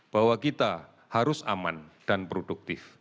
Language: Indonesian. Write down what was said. bahwa kita harus aman dan produktif